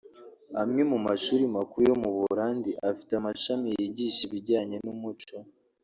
Amwe mu mashuri makuru yo mu Buholandi afite amashami yigisha ibijyanye n’umuco